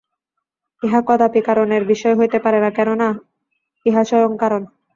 ইহা কদাপি কারণের বিষয় হইতে পারে না, কেননা ইহা স্বয়ং কারণ।